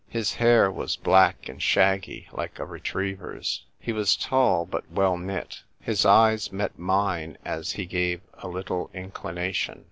His hair was black and shaggy, like a retriever's. He was tall, but well knit. His eyes met mine as he gave a little inclination.